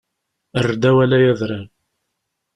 Err-d awal ay adrar!